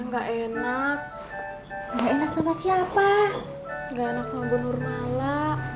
gak enak sama bu nurmala